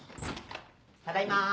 ただいま。